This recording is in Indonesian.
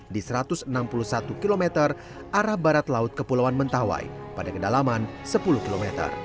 di satu ratus enam puluh satu km arah barat laut kepulauan mentawai pada kedalaman sepuluh km